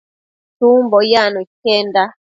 Chumbo yacno iquenda